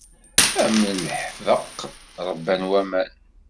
Am leḥbeq ṛebban waman.